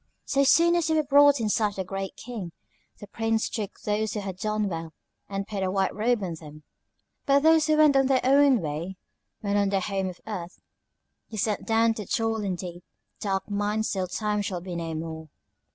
So soon as they were brought in sight of the Great King, the Prince took those who had done well, and put a white robe on them; but those who went their own way when on the Home of Earth, he sent down to toil in deep, dark mines till time shall be no more."